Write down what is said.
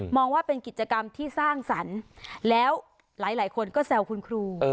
องว่าเป็นกิจกรรมที่สร้างสรรค์แล้วหลายคนก็แซวคุณครู